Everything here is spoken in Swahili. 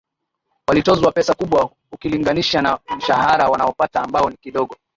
walitozwa pesa kubwa ukilinganisha na mshahara wanaopata ambao ni kidogo